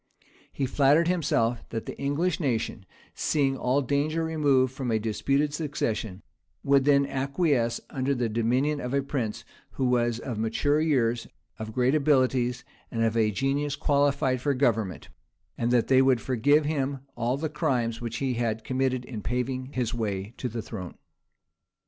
He flattered himself that the English nation, seeing all danger removed of a disputed succession, would then acquiesce under the dominion of a prince who was of mature years, of great abilities, and of a genius qualified for government; and that they would forgive him all the crimes which he had committed in paving his way to the throne.